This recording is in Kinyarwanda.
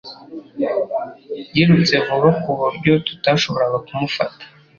Yirutse vuba ku buryo tutashoboraga kumufata.